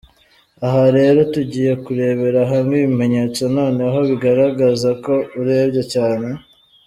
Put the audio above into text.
Aha rero tugiye kurebera hamwe ibimenyetso noneho bigaragaza ko urembye cyane.